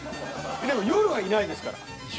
でも夜はいないですから。